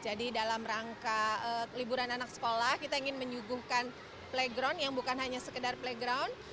jadi dalam rangka liburan anak sekolah kita ingin menyuguhkan playground yang bukan hanya sekedar playground